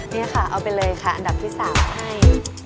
นี่ค่ะเอาไปเลยค่ะอันดับที่๓ให้